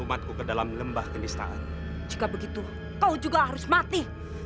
mataku ke dalam lembah kenisnaan jika begitu kau juga harus mati